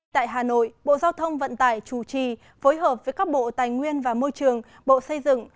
tại hà nội bộ giao thông vận tải chủ trì phối hợp với các bộ tài nguyên và môi trường bộ xây dựng